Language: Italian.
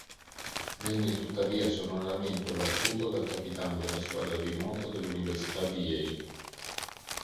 Venne tuttavia sonoramente battuto dal capitano della squadra di nuoto dell'Università di Yale.